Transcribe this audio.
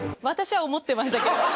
私は思ってましたけど。